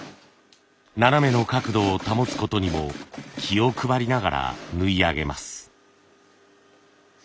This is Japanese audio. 斜めの角度を保つことにも気を配りながら縫い上げます。